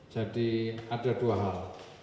jadi ada dua hal